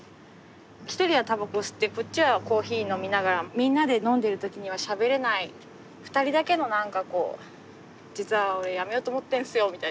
１人はタバコを吸ってこっちはコーヒー飲みながらみんなで飲んでる時にはしゃべれない２人だけの何かこう「実は俺辞めようと思ってんすよ」みたいな。